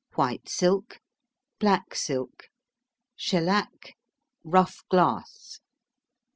White silk. Black silk. Shellac. Rough glass.